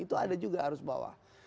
itu ada juga arus bawah